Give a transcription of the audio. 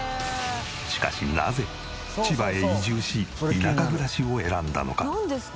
しかしなぜ千葉へ移住し田舎暮らしを選んだのか？